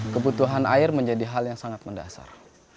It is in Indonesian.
kebutuhan air menjadi hal yang sangat mendasar